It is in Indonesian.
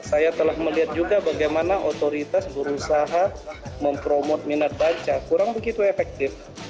jadi saya telah melihat juga bagaimana otoritas berusaha mempromote minat baca kurang begitu efektif